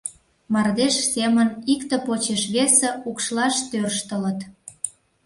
Мардеж семын икте почеш весе укшлаш тӧрштылыт.